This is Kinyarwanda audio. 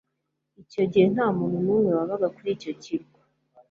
Icyo gihe nta muntu numwe wabaga kuri icyo kirwa